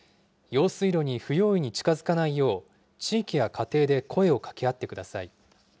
用水路に不用意に近づかないよう、地域や家庭で声をかけ合ってください。